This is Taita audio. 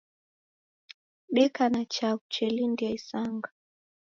Deka na chaghu chelindia isanga